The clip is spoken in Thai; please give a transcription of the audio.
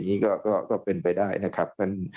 อย่างนี้ก็เป็นไปได้นะครับ